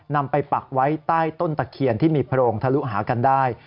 นำไปปักไว้ใต้ต้นตะเคียนที่มีโพรงทะลุหากันได้